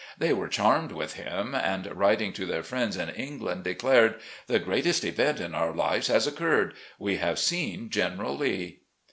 They were charmed with him, and, writing to their friends in Eng land, declared : "The greatest event in our lives has occurred — we have seen General Lee."